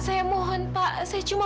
ayo keluar keluar